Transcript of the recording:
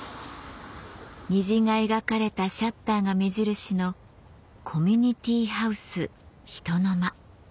虹が描かれたシャッターが目印のコミュニティーハウス「ひとのま」